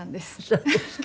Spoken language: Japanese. そうですか。